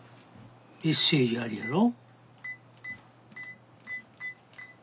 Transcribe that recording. メッセージありやろ？